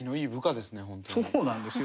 そうなんですよ。